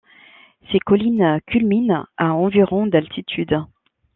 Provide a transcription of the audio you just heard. Ces collines culminent à environ d'altitude.